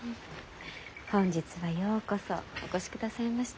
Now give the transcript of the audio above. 本日はようこそお越しくださいました。